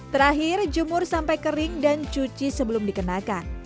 terakhir jemur sampai kering dan cuci sebelum dikenakan